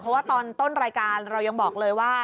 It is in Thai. เพราะว่าตอนต้นรายการเรายังบอกเลยว่า